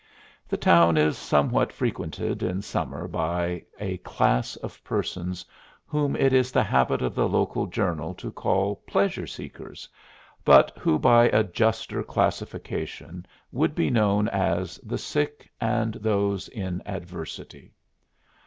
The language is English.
The town is somewhat frequented in summer by a class of persons whom it is the habit of the local journal to call "pleasure seekers," but who by a juster classification would be known as "the sick and those in adversity."